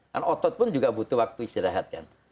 dan otot pun juga butuh waktu istirahat kan